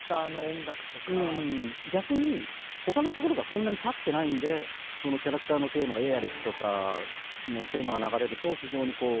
逆に他のところがそんなにたってないんでそのキャラクターのテーマがエアリスとかのテーマが流れると非常にこう。